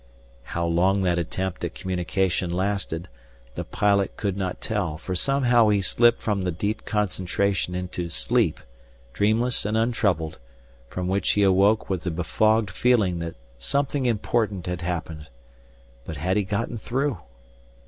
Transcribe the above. How long that attempt at communication lasted the pilot could not tell, for somehow he slipped from the deep concentration into sleep, dreamless and untroubled, from which he awoke with the befogged feeling that something important had happened. But had he gotten through?